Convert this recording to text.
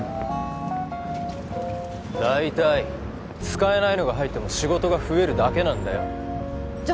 大体使えないのが入っても仕事が増えるだけなんだよじゃ